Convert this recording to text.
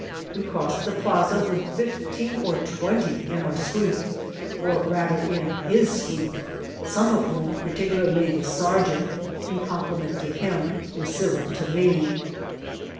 We crossed the plaza with fifteen or twenty in our suite, or, rather, in his suite, some of whom, particu larly the sergeant, in compliment to him, were civil to me.